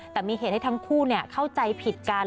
แต่มีเหตุให้ทั้งคู่เข้าใจผิดกัน